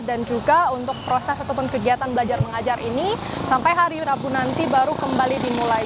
dan juga untuk proses atau kegiatan belajar mengajar ini sampai hari rabu nanti baru kembali dimulai